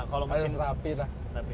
kalau mesin rapi lah